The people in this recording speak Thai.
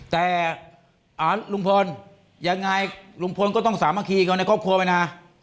แต่อ่าลุงพลยังไงลุงพลก็ต้องสามารถคีย์เขาในครอบครัวไปนะ